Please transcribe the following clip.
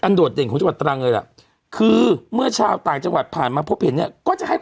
อันดวชเด็กของจังหวัดตรังเลยล่ะ